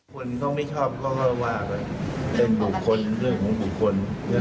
คนเขาไม่ชอบเขาก็ว่าไปเป็นบุคคลเรื่องของบุคคล